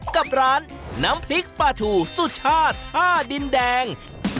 กับร้านน้ำพริกปลาทูสุชาติท่าดินแดง